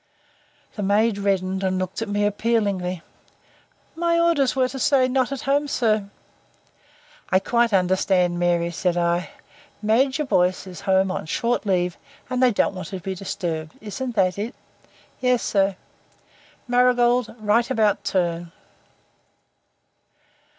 The maid reddened and looked at me appealingly. "My orders were to say not at home, sir." "I quite understand, Mary," said I. "Major Boyce is home on short leave, and they don't want to be disturbed. Isn't that it?" "Yes, sir." "Marigold," said I. "Right about turn."